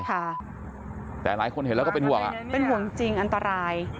แต่หลายคนเห็นแล้วก็เป็นห่วงอ่ะเป็นห่วงจริงอันตราย